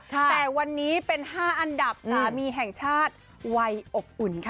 แต่วันนี้เป็น๕อันดับสามีแห่งชาติวัยอบอุ่นค่ะ